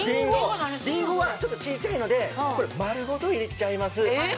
りんごはちょっと小っちゃいのでこれ丸ごと入れちゃいます。